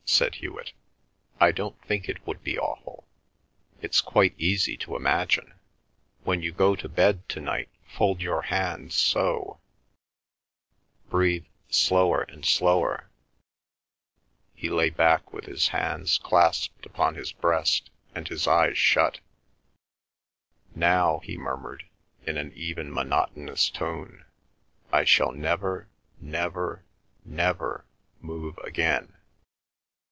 said Hewet. "I don't think it would be awful. It's quite easy to imagine. When you go to bed to night fold your hands so—breathe slower and slower—" He lay back with his hands clasped upon his breast, and his eyes shut, "Now," he murmured in an even monotonous voice, "I shall never, never, never move again."